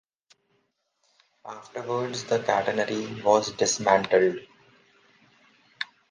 Afterwards the Catenary was dismantled.